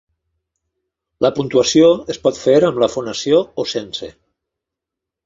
La puntuació es pot fer amb la fonació o sense.